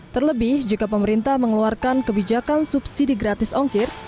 terlebih jika pemerintah mengeluarkan kebijakan subsidi gratis ongkir